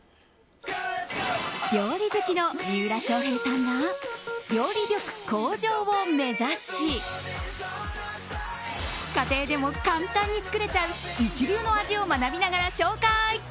料理好きの三浦翔平さんが料理力向上を目指し家庭でも簡単に作れちゃう一流の味を学びながら紹介。